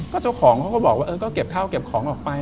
เจ้าของเขาก็บอกว่าเออก็เก็บข้าวเก็บของออกไป